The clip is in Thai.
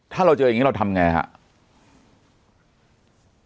ถ้าเราเจออย่างนี้เราทำไงครับ